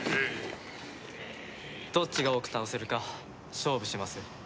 どっちが多く倒せるか勝負します？